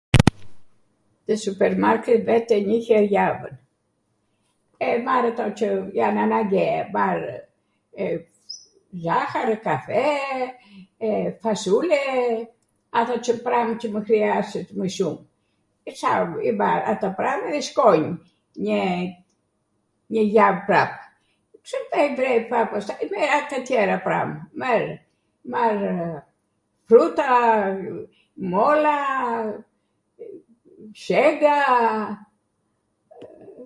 nw supermarket vete njw her javwn, e mar ato qw jan anagjea, mar zaharw, kafee, fasule, ato pram qw mw hriasen mw shum, i bar ata pram edhe shkonj njw, njw jav prap. Cw blej pram pastaj, mar tw tjera pram, marw fruta, molla, shega,